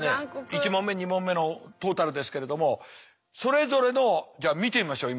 １問目２問目のトータルですけれどもそれぞれのを見てみましょう